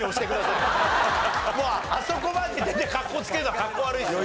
もうあそこまで出てかっこつけるのはかっこ悪いですよ。